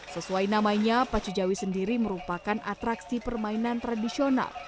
sesuai namanya pacu jawi sendiri merupakan atraksi permainan tradisional